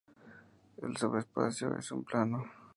El subespacio es un plano.